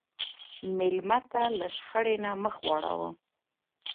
مېلمه ته له شخړې نه مخ واړوه.